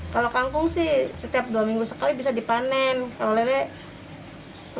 kalau kangkung sih setiap dua minggu sekali bisa dipanen